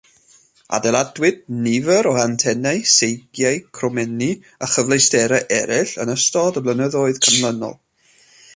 Adeiladwyd nifer o antenau, seigiau, cromenni a chyfleusterau eraill yn ystod y blynyddoedd canlynol.